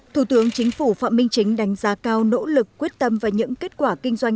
thủ tướng chính phủ phạm minh chính đánh giá cao nỗ lực quyết tâm và những kết quả kinh doanh